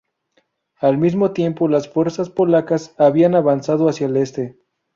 Al mismo tiempo las fuerzas polacas habían avanzado hacia el este.